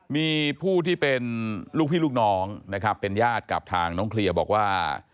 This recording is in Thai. มีผู้ที่เป็นลูกพี่ลูกน้องนะครับเป็นญาติกับทางน้องเคลียร์บอกว่า